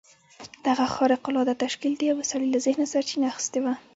دغه خارق العاده تشکيل د يوه سړي له ذهنه سرچينه اخيستې وه.